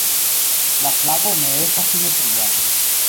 La flago ne estas simetria.